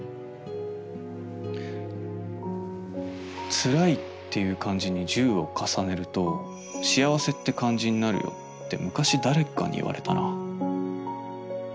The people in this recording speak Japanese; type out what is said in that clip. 辛いという漢字に「十」を重ねると「幸せ」って漢字になるよって昔誰かに言われたな。